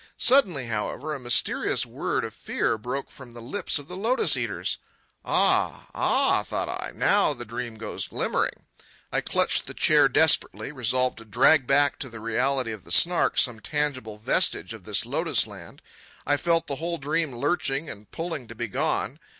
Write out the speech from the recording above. Suddenly, however, a mysterious word of fear broke from the lips of the lotus eaters. "Ah, ah," thought I, "now the dream goes glimmering." I clutched the chair desperately, resolved to drag back to the reality of the Snark some tangible vestige of this lotus land. I felt the whole dream lurching and pulling to be gone.